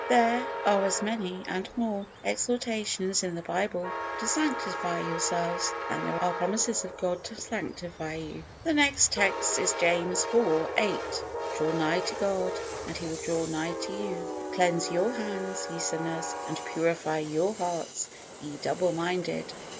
There are as many, and more, exhortations in the Bible to sanctify yourselves than there are promises of God to sanctify you. The next text is James iv. 8: "Draw nigh to God, and He will draw nigh to you. Cleanse your hands, ye sinners; and purify your hearts ye double minded."